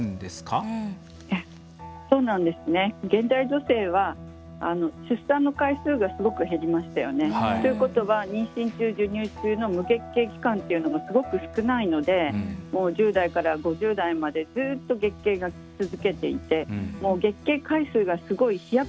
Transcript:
現代女性は出産の回数がすごく減りましたよね。ということは妊娠中授乳中の無月経期間っていうのがすごく少ないので１０代から５０代までずっと月経が来続けていて月経回数がすごい飛躍的に増えてるんです。